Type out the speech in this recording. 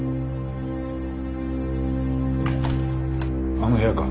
あの部屋か？